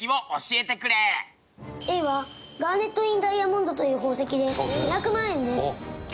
Ａはガーネットインダイヤモンドという宝石で２００万円です。